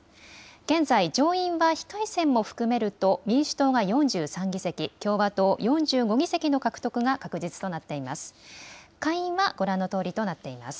現在、上院は非改選も含めると民主党が４３議席、共和党４５議席の獲得が確実となっています。